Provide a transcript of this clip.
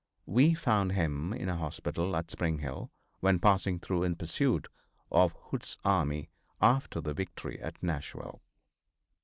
We found him in a hospital at Spring Hill when passing through in pursuit of Hood's army after the victory at Nashville.